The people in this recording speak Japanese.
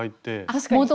確かに。